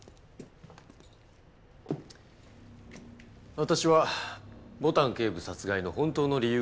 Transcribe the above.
私は牡丹警部殺害の本当の理由が知りたい。